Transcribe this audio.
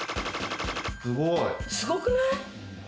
すごくない？